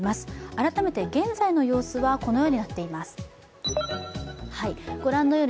改めて現在の様子はこのようになっています。